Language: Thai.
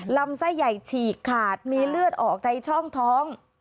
ลำไส้ใหญ่ฉีกขาดมีเลือดออกในช่องท้อง